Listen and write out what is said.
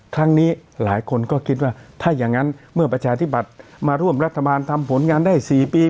ครั้งนี้หลายคนก็คิดว่าถ้าอย่างนั้นเมื่อประชาธิบัติมาร่วมรัฐบาลทำผลงานได้๔ปี